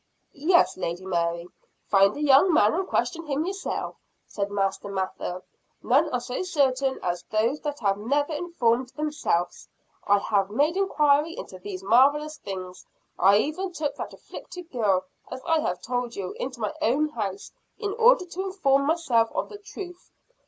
"Yes, Lady Mary, find the young man, and question him yourself," said Master Mather. "None are so certain as those that have never informed themselves. I have made inquiry into these marvelous things; I even took that afflicted girl, as I have told you, into my own house, in order to inform myself of the truth.